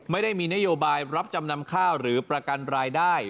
ไม่ได้มีนโยบายรับจำนำข้าวหรือประกันรายได้